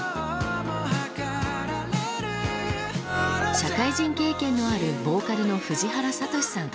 社会人経験のあるボーカルの藤原聡さん。